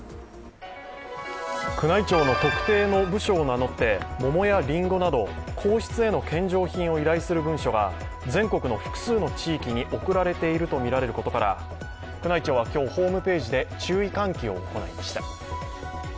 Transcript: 宮内庁の特定の部署を名乗って、桃やリンゴなど皇室への献上を依頼する文書が全国の複数の地域に送られているとみられることから宮内庁は今日ホームページで注意喚起を行いました。